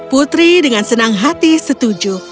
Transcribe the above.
putri dengan senang hati setuju